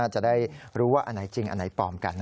จะได้รู้ว่าอันไหนจริงอันไหนปลอมกัน